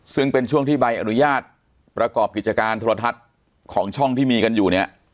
ซึ่งเป็นช่วงที่ใบอนุญาตประกอบกิจการโทรทัศน์ของช่องที่มีกันอยู่เนี่ย